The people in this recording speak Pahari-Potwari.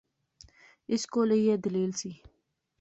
اس کول ایہہ دلیل سی